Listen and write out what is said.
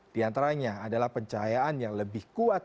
di antaranya adalah pencahayaan yang lebih kuat